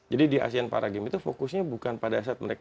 jadi di asean para games itu fokusnya bukan pada saat mereka